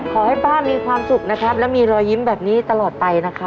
ขอให้ป้ามีความสุขนะครับและมีรอยยิ้มแบบนี้ตลอดไปนะครับ